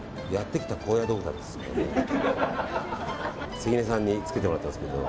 関根さんにつけてもらったんですけど。